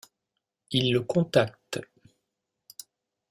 Il le contacte.